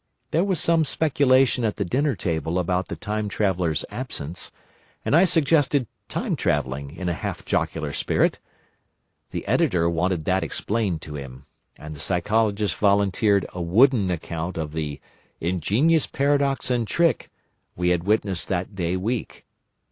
There was some speculation at the dinner table about the Time Traveller's absence, and I suggested time travelling, in a half jocular spirit. The Editor wanted that explained to him, and the Psychologist volunteered a wooden account of the "ingenious paradox and trick" we had witnessed that day week.